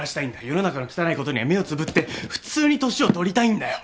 世の中の汚いことには目をつぶって普通に年を取りたいんだよ。